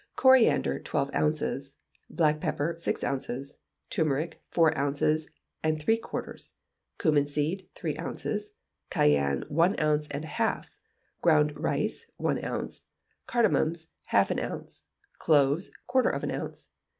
Coriander, twelve ounces; black pepper, six ounces; turmeric, four ounces and three quarters; cummin seed, three ounces; cayenne, one ounce and a half; ground rice, one ounce; cardamums, half an ounce; cloves, quarter of an ounce.